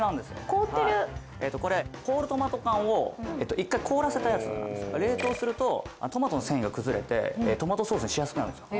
凍ってるええとこれホールトマト缶を一回凍らせたやつなんです冷凍するとトマトの繊維が崩れてトマトソースにしやすくなるんですよ